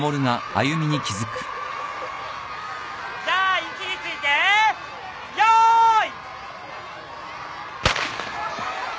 じゃ位置について用意。